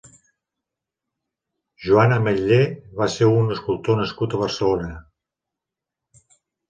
Juan Ameller va ser un escultor nascut a Barcelona.